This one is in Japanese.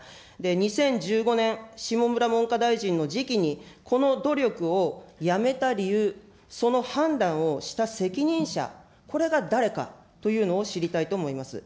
２０１５年、下村文科大臣の時期に、この努力をやめた理由、その判断をした責任者、これが誰かというのを知りたいと思います。